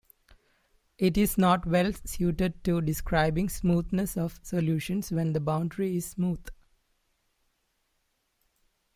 It is not well-suited to describing smoothness of solutions when the boundary is smooth.